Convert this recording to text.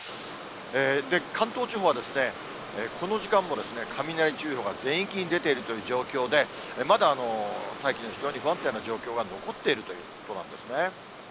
関東地方は、この時間も雷注意報が全域に出ているという状況で、まだ大気の非常に不安定な状況が残っているということなんですね。